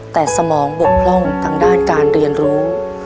แต่สมองบกพร่องทางด้านการเรียนรู้